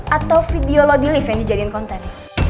atau video lo di live yang dijadiin konten